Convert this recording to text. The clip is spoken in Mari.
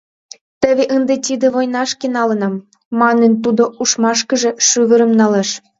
Теве ынде тиде войнашке налынам, — манын, тудо умшашкыже шӱвырым налеш.